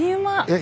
え？